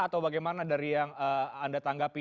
atau bagaimana dari yang anda tanggapi